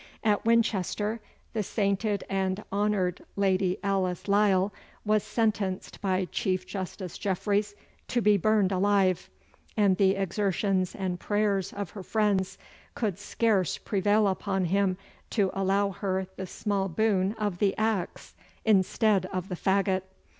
At Winchester the sainted and honoured Lady Alice Lisle was sentenced by Chief Justice Jeffreys to be burned alive, and the exertions and prayers of her friends could scarce prevail upon him to allow her the small boon of the axe instead of the faggot.